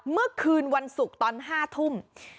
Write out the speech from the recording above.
เมื่อคืนวันศุกร์ตอน๕ทุ่ม